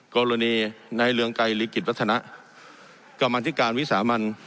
กรณีในเรืองไกรลิกิจวัฒนะกรรมธิการวิสามัน